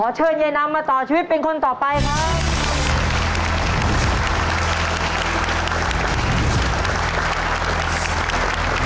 เชิญยายนำมาต่อชีวิตเป็นคนต่อไปครับ